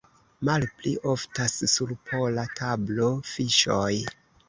Malpli oftas sur pola tablo fiŝoj.